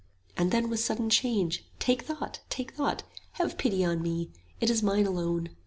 And then with sudden change, Take thought! take thought! Have pity on me! it is mine alone.